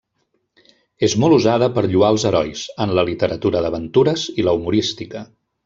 És molt usada per lloar els herois, en la literatura d'aventures i la humorística.